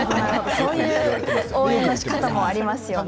そういう応援のしかたもありますね。